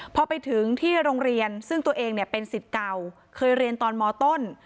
พอไปถึงที่โรงเรียนซึ่งตัวเองเนี่ยเป็นสิทธิ์เก่าเคยเรียนตอนมต้น